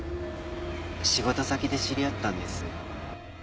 仕事先で知り合ったんです。